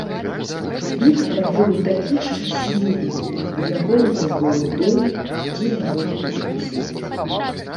Віктар быў такі шчаслівы, і ў яго ўжо быў дом, дзе яго любяць.